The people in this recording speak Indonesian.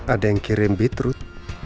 ada yang kirim bitrut